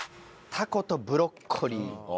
たことブロッコリー。